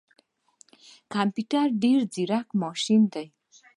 کمپيوټر ډیر ځیرک ماشین دی